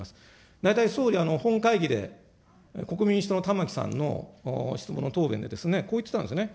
大体総理、本会議で、国民民主党のたまきさんの質問の答弁で、こう言ってたんですよね。